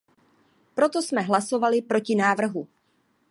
Proto jsme hlasovali proti návrhu.